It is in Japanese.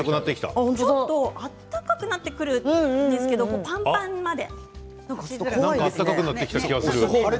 ちょっと温かくなってくるんですけどパンパンまで。